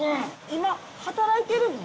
今働いてるの？